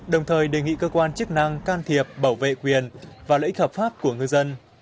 đồng thời đề nghị cơ quan chức năng can thiệp bảo vệ quyền và lợi ích hợp pháp của ngư dân